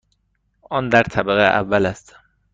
آن در طبقه اول است.